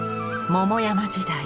桃山時代